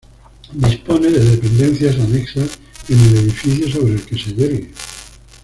Dispone de dependencias anexas en el edificio sobre el que se yergue.